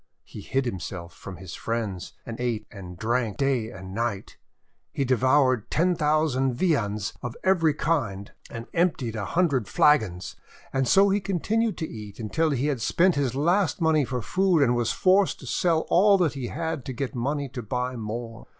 He hid himself from his friends, and ate and drank night and day. He devoured ten thou sand viands of every kind, and emptied a hundred flagons. And so he continued to eat until he had spent his last money for food and was forced to sell all that he had to get money to buy more.